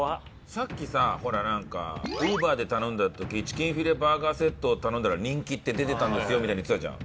さっきさほらなんかウーバーで頼んだ時チキンフィレバーガーセットを頼んだら人気って出てたんですよみたいに言ってたじゃん。